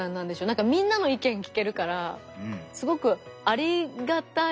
なんかみんなの意見聞けるからすごくありがたいですね。